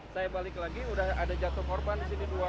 saya balik lagi udah ada jatuh korban di sini dua